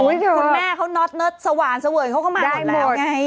คุณแม่เขาน็อตสว่านเสวยเขาก็มาได้แล้วไง